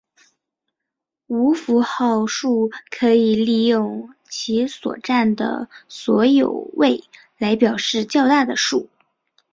无符号数可以利用其所占有的所有位来表示较大的数。